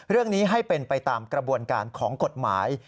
เรื่องนี้ให้เป็นไปตามกระบวนการของกฎหมาย